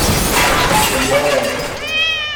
اَحیا